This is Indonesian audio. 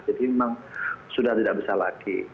memang sudah tidak bisa lagi